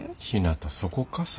ひなたそこか？